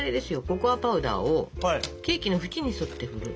ココアパウダーをケーキの縁に沿って振る。